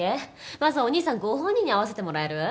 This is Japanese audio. まずはお兄さんご本人に会わせてもらえる？